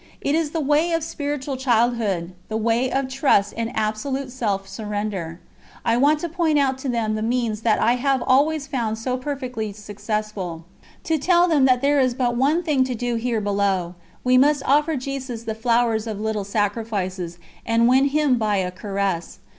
"IT IS THE WAY OF SPIRITUAL CHILDHOOD, THE WAY OF TRUST AND ABSOLUTE SELF SURRENDER. I want to point out to them the means that I have always found so perfectly successful, to tell them that there is but one thing to do here below: we must offer Jesus the flowers of little sacrifices and win Him by a caress.